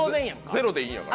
ゼロでいいんやから。